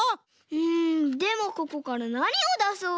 うんでもここからなにをだそう？